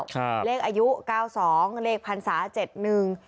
ครับเลขอายุเก้าสองเลขพรรษาเจ็ดหนึ่ง